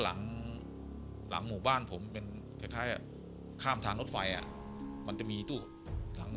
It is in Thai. หลังหลังหมู่บ้านผมเป็นค่าค่ามทางนถไฟมันจะมีตู้หลัง